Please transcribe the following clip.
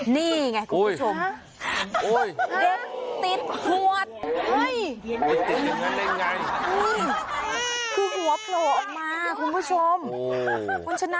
นี่ไงคุณผู้ชม